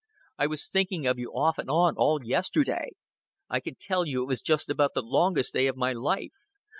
I was thinking of you off and on all yesterday. I can tell you it was just about the longest day of my life.